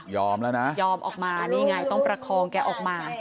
แล้วนะยอมออกมานี่ไงต้องประคองแกออกมา